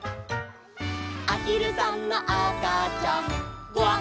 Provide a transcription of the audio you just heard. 「あひるさんのあかちゃんグワグワ」